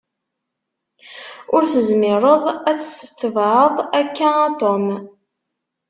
Ur tezmireḍ ad tt-tetebεeḍ akka a Tom.